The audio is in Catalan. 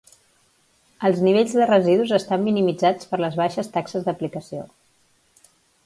Els nivells de residus estan minimitzats per les baixes taxes d'aplicació.